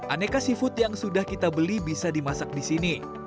aneka seafood yang sudah kita beli bisa dimasak di sini